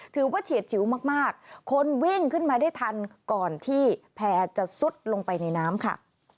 เฉียดชิวมากคนวิ่งขึ้นมาได้ทันก่อนที่แพร่จะซุดลงไปในน้ำค่ะ